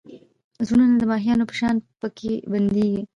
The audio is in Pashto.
زړونه د ماهیانو په شان پکې بندېږي.